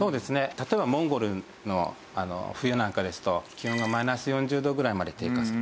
例えばモンゴルの冬なんかですと気温がマイナス４０度ぐらいまで低下する。